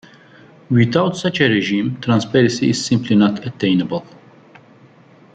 Without such a regime, transparency is simply not attainable.